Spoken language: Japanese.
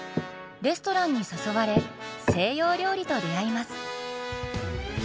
レストランに誘われ西洋料理と出会います。